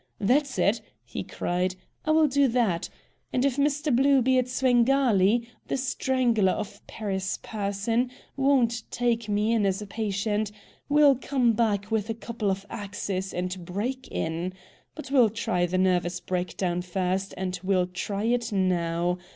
That's it!" he cried. "I will do that! And if Mr. Bluebeard Svengali, the Strangler of Paris person, won't take me in as a patient, we'll come back with a couple of axes and BREAK in. But we'll try the nervous breakdown first, and we'll try it now.